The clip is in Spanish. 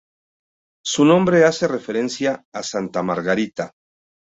Su nombre hace referencia a Santa Margarita.